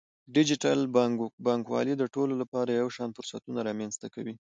ډیجیټل بانکوالي د ټولو لپاره یو شان فرصتونه رامنځته کوي.